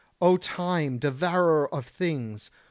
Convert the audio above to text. O time, devourer of things!